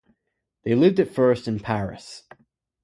They lived at first in Paris.